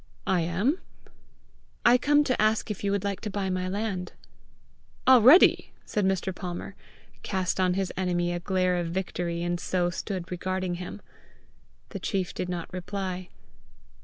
"I am." "I come to ask if you would like to buy my land?" "Already!" said Mr. Palmer, cast on his enemy a glare of victory, and so stood regarding him. The chief did not reply.